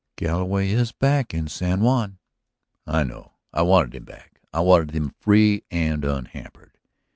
"Galloway is back in San Juan." "I know. I wanted him back. I wanted him free and unhampered.